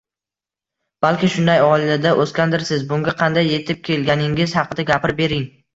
balki shunday oilada oʻsgandirsiz. Bunga qanday “yetib kelganingiz” haqida gapirib bering?